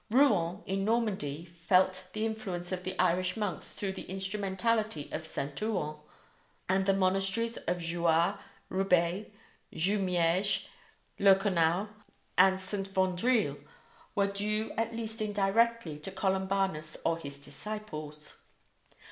Rouen, in Normandy, felt the influence of the Irish monks through the instrumentality of St. Ouen; and the monasteries of Jouarre, Rebais, Jumièges, Leuconaus, and St. Vandrille were due at least indirectly to Columbanus or his disciples.